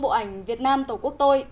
bộ ảnh việt nam tổ quốc tôi